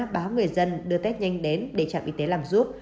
báo người dân đưa test nhanh đến để trạm y tế làm giúp